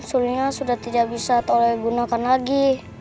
sulinya sudah tidak bisa tuhli gunakan lagi